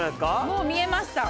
もう見えました。